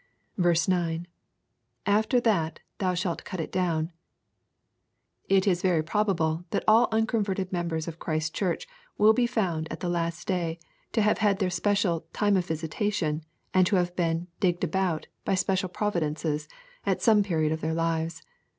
9. — [After thai thou shaJt cut it doum.] It is very probable that all unconverted members of Christ's Church wiU be found at the last day to have had their special " time of visitation," and to have been " digged about" by special providences, at some period of their lives.